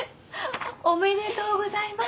おめでとうございます！